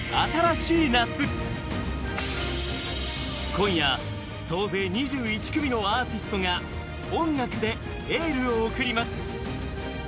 今夜総勢２１組のアーティストが音楽でエールを送ります。